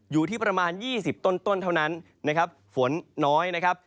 อยู่ที่ประมาณ๒๐ต้นเท่านั้นนะครับฝนน้อยนะครับ